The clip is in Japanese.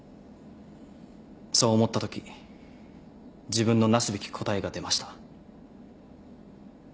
そう思ったとき自分のなすべき答えが出ました。